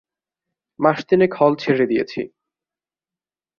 মাস তিনেক হল ছেড়ে দিয়েছি।